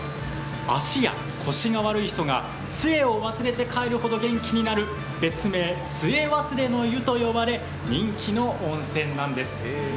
足や腰が悪い人が、つえを忘れて帰るほど元気になる、別名、杖忘れの湯と呼ばれ、人気の温泉なんです。